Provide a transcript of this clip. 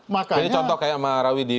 jadi contoh kayak marawis di